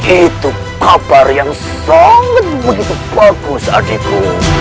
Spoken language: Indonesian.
itu kabar yang sangat begitu bagus adikku